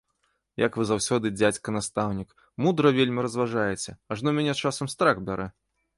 Як вы заўсёды, дзядзька настаўнік, мудра вельмі разважаеце, ажно мяне часам страх бярэ!